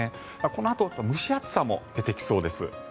このあと蒸し暑さも出てきそうです。